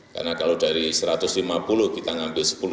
karena kalau dari satu ratus lima puluh kita mengambil satu ratus lima puluh